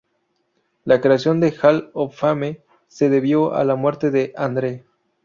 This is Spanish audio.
La creación del Hall of Fame se debió a la muerte de Andre.